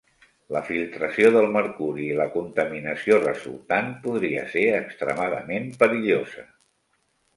La filtració del mercuri i la contaminació resultant podria ser extremadament perillosa.